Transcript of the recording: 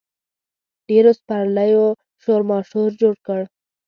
ډېرو سپرلیو شورماشور جوړ کړ.